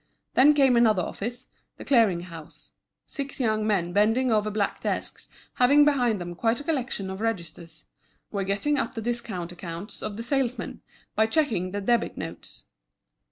Then came another office, the clearing house: six young men bending over black desks, having behind them quite a collection of registers, were getting up the discount accounts of the salesmen, by checking the debit notes.